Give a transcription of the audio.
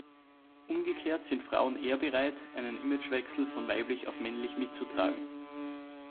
Umgekehrt sind Frauen eher bereit, einen Imagewechsel von weiblich auf männlich mitzutragen.